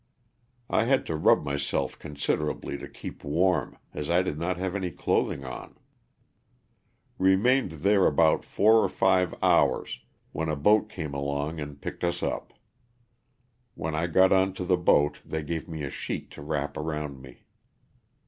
I had to rub myself considerably to keep warm, as I did not have any clothing on. Kemained there about four or five hours, when a boat came along and picked LOSS OF THE SULTANA. US up. When I got on to the boat they gave me a sheet to wrap around me.